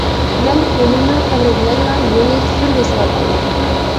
مەن ئۆلۈمنىڭ خەۋىرى بىلەنلا مېنى سۈر بېسىۋالغان ئىدى.